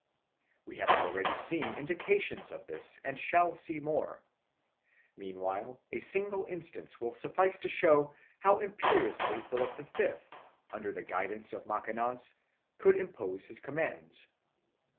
We have already seen indications of this and shall see more; meanwhile a single instance will suffice to show how imperiously Philip V, under the guidance of Macanaz, could impose his commands.